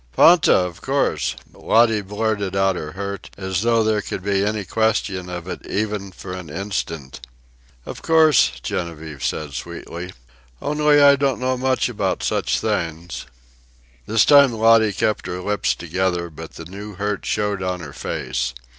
"Ponta, of course," Lottie blurted out her hurt, as though there could be any question of it even for an instant. "Of course," Genevieve said sweetly, "only I don't know much about such things." This time Lottie kept her lips together, but the new hurt showed on her face.